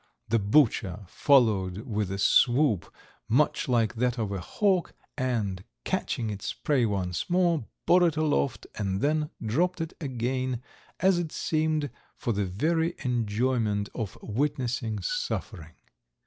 The butcher followed with a swoop much like that of a hawk and, catching its prey once more, bore it aloft and then dropped it again as it seemed for the very enjoyment of witnessing suffering.